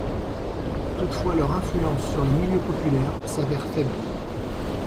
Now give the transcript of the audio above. Toutefois leur influence sur les milieux populaires s'avère faible.